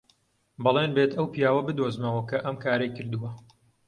بەڵێن بێت ئەو پیاوە بدۆزمەوە کە ئەم کارەی کردووە.